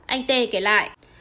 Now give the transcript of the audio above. anh t kể lại